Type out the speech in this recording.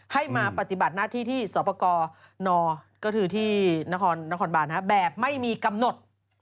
ให้มาปฏิบัติหน้าที่ที่สอบปกรนแบบไม่มีกำหนด